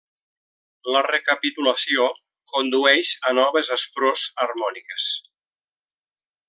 La recapitulació condueix a noves asprors harmòniques.